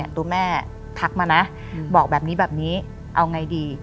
ตัวแม่ทักมานะบอกแบบนี้แบบนี้เอาไงดี